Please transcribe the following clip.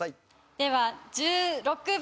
では１６番。